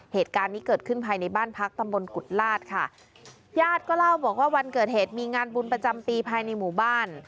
เหตุการณ์นี้เกิดขึ้นภายในบ้านพักตำบลกุฎลาศค่ะญาติก็เล่าบอกว่าวันเกิดเหตุมีงานบุญประจำปีภายในหมู่บ้าน